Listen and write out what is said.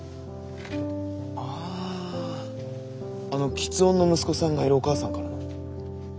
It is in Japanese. あああの吃音の息子さんがいるお母さんからの？